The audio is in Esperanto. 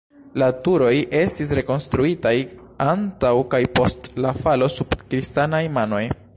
La turoj estis rekonstruitaj, antaŭ kaj post la falo sub kristanaj manoj.